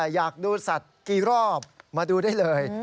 อยากดูสัตว์กี่รอบมาดูได้เลย